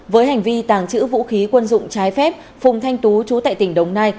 với hành vi tàng trữ vũ khí quân dụng trái phép phùng thanh tú chú tại tỉnh đồng nai